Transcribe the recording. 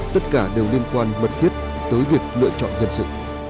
tất cả đều liên quan mật thiết tới việc lựa chọn nhân sự